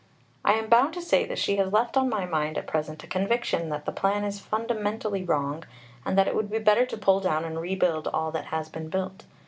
"I am bound to say she has left on my mind at present a conviction that the plan is fundamentally wrong, and that it would be better to pull down and rebuild all that has been built.